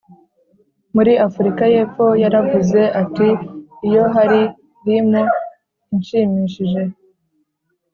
muri Afurika y Epfo yaravuze ati iyo hari limi inshimishije